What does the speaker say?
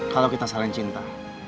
kalau kita saling cinta